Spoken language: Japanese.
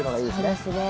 そうですね。